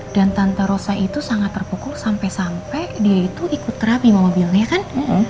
dan tante rosa itu sangat terpukul sampai sampai dia itu ikut terapi mobilnya kan